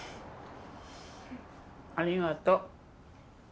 ありがとう。